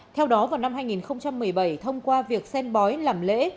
theo đó vào năm hai nghìn một mươi bảy thông qua việc sen bói làm lễ